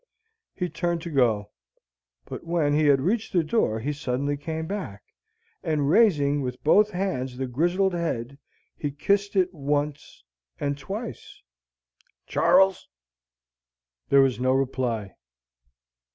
He turned to go. But when he had reached the door he suddenly came back, and, raising with both hands the grizzled head, he kissed it once and twice. "Char les." There was no reply.